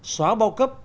xóa bao cấp